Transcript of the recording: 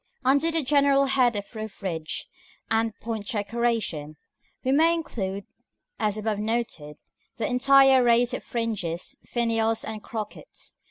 § VIII. Under the general head of roof ridge and point decoration, we may include, as above noted, the entire race of fringes, finials, and crockets.